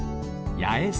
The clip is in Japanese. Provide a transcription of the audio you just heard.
八重洲。